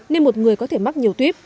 nên một người có thể mắc nhiều tuyết